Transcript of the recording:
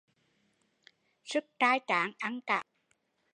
Sức trai tráng ăn cả thúng cam cũng được